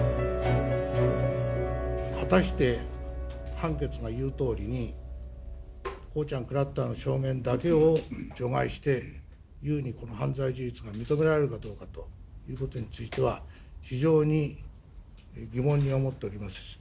果たして判決が言うとおりにコーチャンクラッターの証言だけを除外してこの犯罪事実が認められるかどうかという事については非常に疑問に思っております。